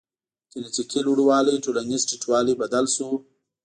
جنټیکي لوړوالی ټولنیز ټیټوالی بدل شو.